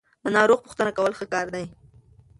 د ناروغ پوښتنه کول ښه کار دی.